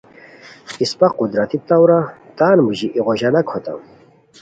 اِسپہ قدرتی طورا تان موژی ایغو ژاناک ہوتام